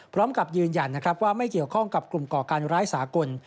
พร้อมกับยืนยันนะครับว่าไม่เกี่ยวข้องกับกลุ่มก่อการร้ายสากล